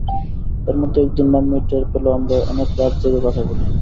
এরমধ্যে একদিন মাম্মি টের পেল আমরা অনেক রাত জেগে কথা বলি।